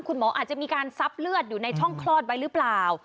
คุณหมออาจจะมีการซับเลือดอยู่ในช่องคลอดไว้หรือเปล่า